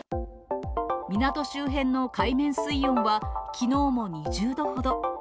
港周辺の海面水温はきのうも２０度ほど。